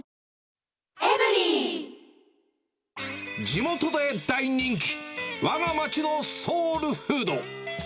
地元で大人気、わが町のソウルフード。